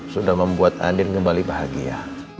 sudah membuat andin kembali bahagia